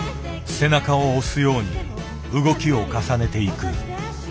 背中を押すように動きを重ねていく。